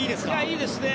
いいですね。